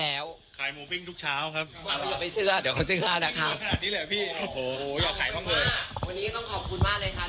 วันนี้ต้องขอบคุณมากเลยค่ะ